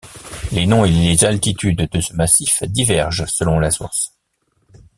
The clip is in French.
Les noms et les altitudes de ce massif divergent selon la source.